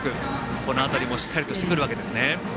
この辺りもしっかりとしてくるわけですね。